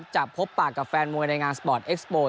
จะพบปากกับแฟนมวยในงานสปอร์ตเอ็กซ์โบ